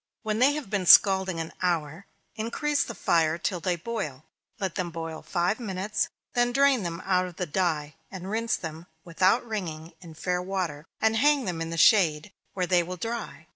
When they have been scalding an hour, increase the fire till they boil. Let them boil five minutes; then drain them out of the dye, and rinse them, without wringing, in fair water, and hang them in the shade, where they will dry.